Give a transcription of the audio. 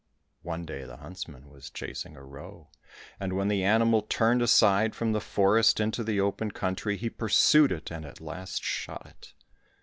One day the huntsman was chasing a roe; and when the animal turned aside from the forest into the open country, he pursued it and at last shot it.